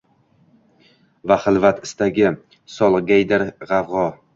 va hilvat istagi solgaydir g’avg’o.